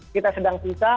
kita sedang susah